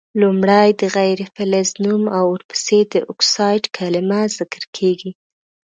لومړی د غیر فلز نوم او ورپسي د اکسایډ کلمه ذکر کیږي.